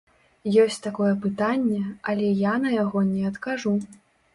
Ёсць такое пытанне, але я на яго не адкажу.